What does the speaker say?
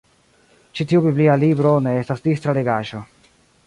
Ĉi tiu biblia libro ne estas distra legaĵo.